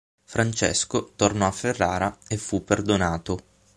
Francesco tornò a Ferrara e fu perdonato.